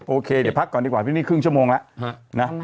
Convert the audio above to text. โอเคเดี๋ยวพักก่อนดีกว่าที่นี่ครึ่งชั่วโมงแล้วนะ